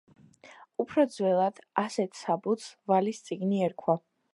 უფრო ძველად ასეთ საბუთს „ვალის წიგნი“ ერქვა.